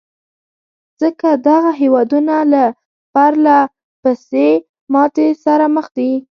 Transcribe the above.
ځکه دغه هېوادونه له پرلهپسې ماتې سره مخ دي.